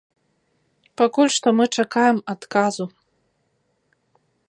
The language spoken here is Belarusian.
Пакуль што мы чакаем адказу.